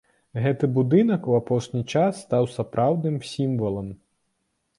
Гэты будынак у апошні час стаў сапраўдным сімвалам.